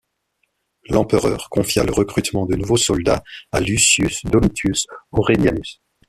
L'empereur confia le recrutement de nouveaux soldats à Lucius Domitius Aurelianus.